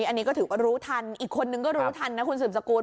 อันนี้ก็ถือว่ารู้ทันอีกคนนึงก็รู้ทันนะคุณสืบสกุล